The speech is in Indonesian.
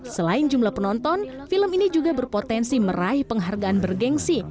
selain jumlah penonton film ini juga berpotensi meraih penghargaan bergensi